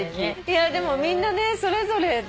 でもみんなねそれぞれで。